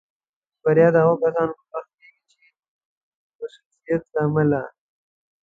بریا د هغو کسانو په برخه کېږي چې د مصروفیت له امله.